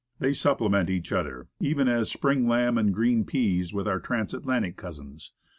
They supplement each other, even as spring lamb and green peas with our transatlantic cousins.